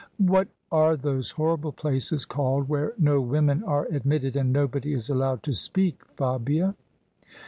What are those horrible places called where no women are admitted and nobody is allowed to speak, Fabia?"